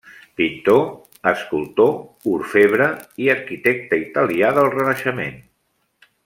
Pintor, escultor, orfebre i arquitecte italià del Renaixement.